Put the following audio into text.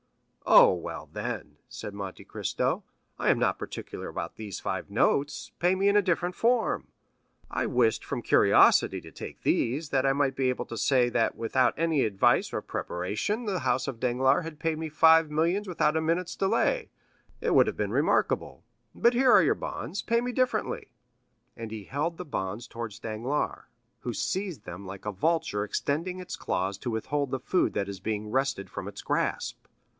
"Oh, well, then," said Monte Cristo, "I am not particular about these five notes, pay me in a different form; I wished, from curiosity, to take these, that I might be able to say that without any advice or preparation the house of Danglars had paid me five millions without a minute's delay; it would have been remarkable. But here are your bonds; pay me differently;" and he held the bonds towards Danglars, who seized them like a vulture extending its claws to withhold the food that is being wrested from its grasp.